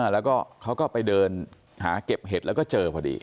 แล้วก็เขาก็ไปเดินหาเก็บเห็ดแล้วก็เจอพอดี